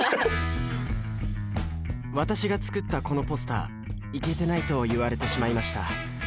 私が作ったこのポスターイケてないと言われてしまいました。